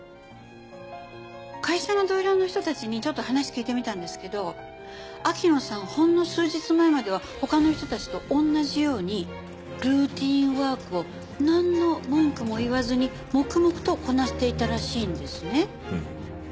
会社の同僚の人たちにちょっと話聞いてみたんですけど秋野さんほんの数日前までは他の人たちと同じようにルーティンワークをなんの文句も言わずに黙々とこなしていたらしいんですね。